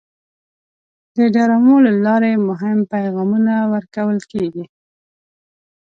د ډرامو له لارې مهم پیغامونه ورکول کېږي.